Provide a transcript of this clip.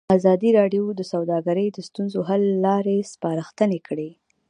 ازادي راډیو د سوداګري د ستونزو حل لارې سپارښتنې کړي.